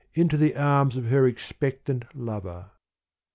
Into the arms of her expectant lover.